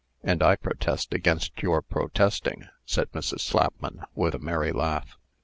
"And I protest against your protesting," said Mrs. Slapman, with a merry laugh.